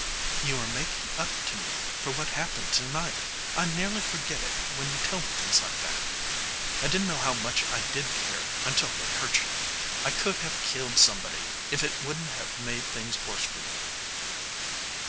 "You are making up to me for what happened to night! I nearly forget it when you tell me things like that." "I didn't know how much I did care until they hurt you. I could have killed somebody if it wouldn't have made things worse for you."